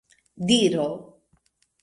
diro